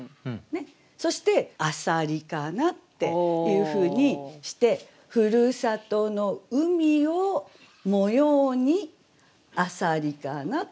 そして「浅蜊かな」っていうふうにして「ふるさとの海を模様に浅蜊かな」と。